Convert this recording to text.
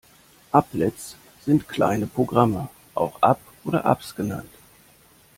Applets sind kleine Programme, auch App oder Apps genannt.